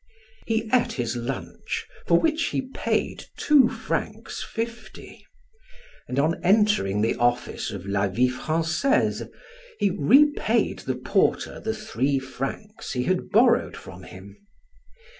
He ate his lunch, for which he paid two francs fifty, and on entering the office of "La Vie Francaise" he repaid the porter the three francs he had borrowed from him.